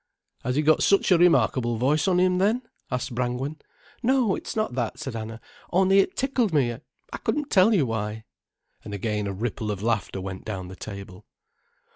"Has he got such a remarkable voice on him then?" asked Brangwen. "No, it's not that," said Anna. "Only it tickled me—I couldn't tell you why." And again a ripple of laughter went down the table.